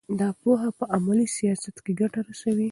دا پوهه په عملي سیاست کې ګټه رسوي.